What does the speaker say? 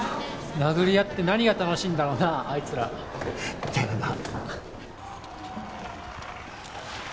殴り合って何が楽しいんだろうなあいつら。だよな。